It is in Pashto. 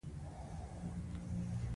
ګل د ژوند شفاف انعکاس دی.